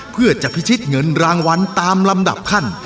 เพื่อจะพิชิตเงินรางวัลตามลำดับขั้น